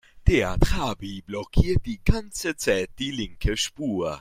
Der Trabi blockiert die ganze Zeit die linke Spur.